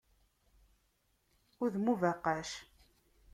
Udem ubaqac.